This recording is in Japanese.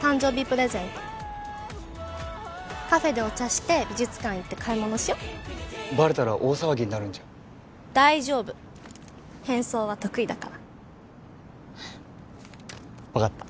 プレゼントカフェでお茶して美術館行って買い物しよバレたら大騒ぎになるんじゃ大丈夫変装は得意だから分かった